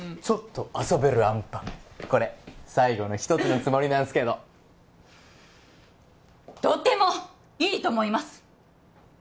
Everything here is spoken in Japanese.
ちょっと遊べるあんぱんこれ最後の一つのつもりなんすけどとてもいいと思います！